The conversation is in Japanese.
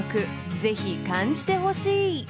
［ぜひ感じてほしい］